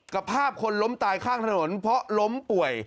ภาพคนล้มตายข้างถนนเพราะล้มป่วย